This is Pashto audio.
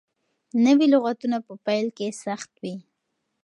نوي لغتونه په پيل کې سخت وي.